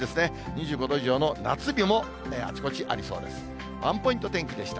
２５度以上の夏日もあちこちありそうです。